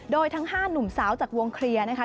โดยทั้ง๕หนุ่มสาวจากวงเคลียร์นะคะ